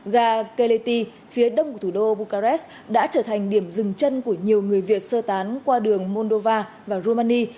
gagelety phía đông của thủ đô bucharest đã trở thành điểm dừng chân của nhiều người việt sơ tán qua đường moldova và rumani